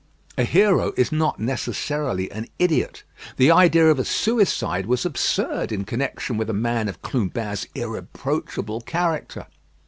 A hero is not necessarily an idiot. The idea of a suicide was absurd in connection with a man of Clubin's irreproachable character.